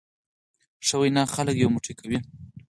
ښه وینا خلک یو موټی کوي.